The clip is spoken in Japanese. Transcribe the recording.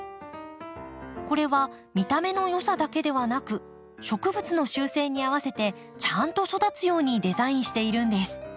これは見た目のよさだけではなく植物の習性に合わせてちゃんと育つようにデザインしているんです。